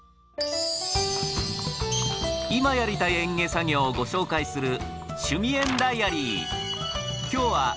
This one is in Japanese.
今やりたい園芸作業をご紹介する「しゅみえんダイアリー」。